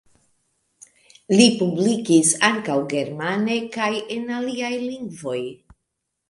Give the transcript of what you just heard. Li publikis ankaŭ germane kaj en aliaj lingvoj.